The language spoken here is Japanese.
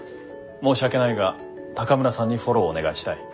申し訳ないが高村さんにフォローをお願いしたい。